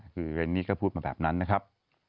คือเรนนี่ก็พูดมาแบบนั้นนะครับ